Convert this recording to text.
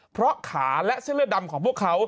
เพราะขาและเส้นเลือดดำของพวกเขา